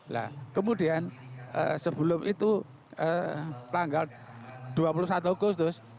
nah kemudian sebelum itu tanggal dua puluh satu agustus